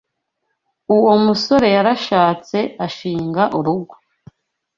Uwo musore yarashatse ashinga urugo.